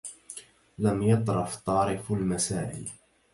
لم يطرف طارف المساعي